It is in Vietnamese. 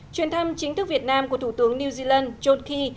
chuyến thăm chính thức việt nam của thủ tướng new zealand john key